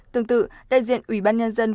tương tự đại diện ủy ban nhân dân